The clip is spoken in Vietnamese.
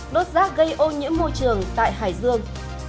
đốt rác gây ô nhiễm môi trường tại hải dương